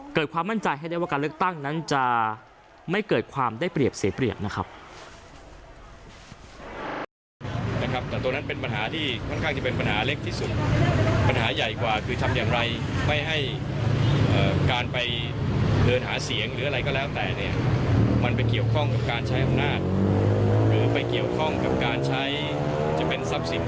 ความมั่นใจให้ได้ว่าการเลือกตั้งนั้นจะไม่เกิดความได้เปรียบเสียเปรียบนะครับ